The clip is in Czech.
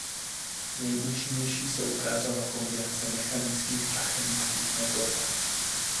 Nejúčinnější se ukázala kombinace mechanických a chemických metod.